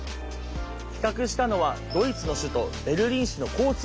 企画したのはドイツの首都ベルリン市の交通局。